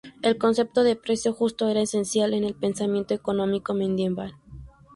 El concepto de precio justo era esencial en el pensamiento económico medieval.